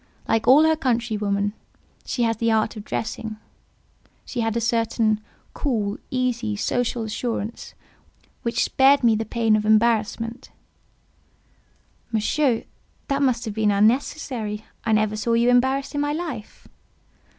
Like all her countrywomen, she had the art of dressing—she had a certain cool, easy, social assurance, which spared me the pain of embarrassment—" "Monsieur, that must have been unnecessary. I never saw you embarrassed in my life."